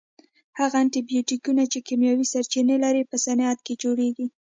هغه انټي بیوټیکونه چې کیمیاوي سرچینه لري په صنعت کې جوړیږي.